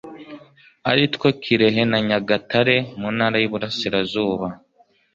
ari two kirehe na nyagatare mu ntara y iburasirazuba